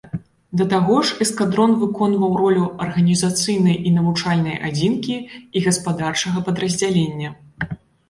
Да таго ж, эскадрон выконваў ролю арганізацыйнай і навучальнай адзінкі і гаспадарчага падраздзялення.